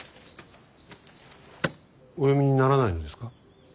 お読みにならないのですか。